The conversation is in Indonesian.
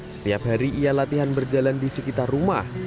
setiap hari ia latihan berjalan di sekitar rumah